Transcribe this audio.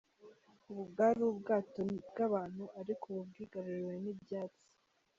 Ubu bwari ubwato bw'abantu ariko ubu bwigaruriwe n'ibyatsi.